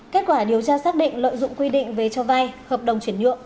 kết quả điều tra xác định lợi dụng quy định về cho vai hợp đồng chuyển nhuộm